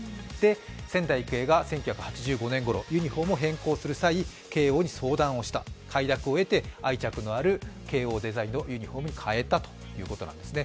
仙台育英が１９８５年ごろ、ユニフォームを変更する際、慶応に相談をした、快諾を得て愛着のある慶応デザインのユニフォームに変えたということなんですね。